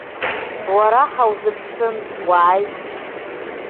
Уара ҳаузыԥшын, уааит!